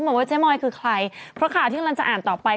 เหมือนว่าเจมอยคือใครเพราะค่าที่เราจะอ่านต่อไป